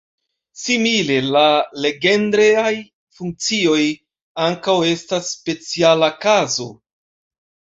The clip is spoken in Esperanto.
Simile, la Legendre-aj funkcioj ankaŭ estas speciala kazo.